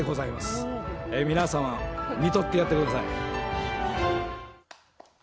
皆様、みとってやってください。